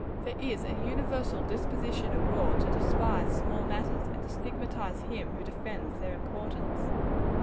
There is a universal disposition abroad to despise small matters, and to stigmatize him who defends their importance.